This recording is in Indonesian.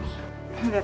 niat dulu ya